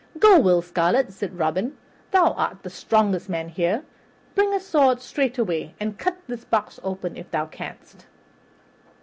"Go, Will Scarlet," said Robin, "thou art the strongest man here bring a sword straightway, and cut this box open, if thou canst."